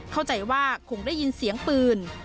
เข้าใจว่าคงได้ยินเสียงปืน